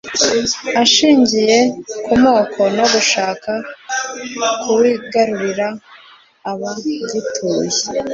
ashingiye ku moko no gushaka kuwigarurira aba gituye